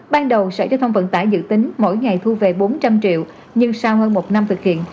ban đầu sở giao thông vận tải dự tính mỗi ngày thu về bốn trăm linh triệu nhưng sau hơn một năm thực hiện